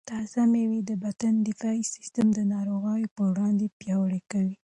تازه مېوې د بدن دفاعي سیسټم د ناروغیو پر وړاندې پیاوړی کوي.